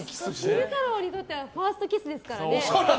昼太郎にとってはファーストキスですからね。